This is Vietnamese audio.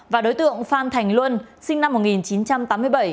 và đối tượng phan thành luân sinh năm một nghìn chín trăm tám mươi bảy